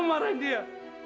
mama mau nunggu dia